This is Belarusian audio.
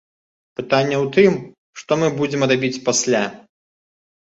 Пытанне ў тым, што мы будзем рабіць пасля.